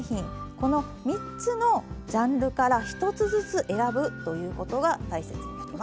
この３つのジャンルから１つずつ選ぶということが大切になります。